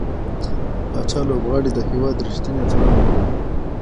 پاچا لوبغاړي د هيواد رښتينې اتلان وبلل .